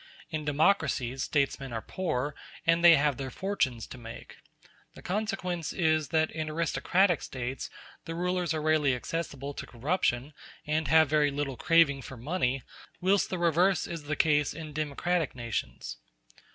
In democracies statesmen are poor, and they have their fortunes to make. The consequence is that in aristocratic States the rulers are rarely accessible to corruption, and have very little craving for money; whilst the reverse is the case in democratic nations.